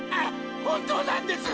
本当なんです！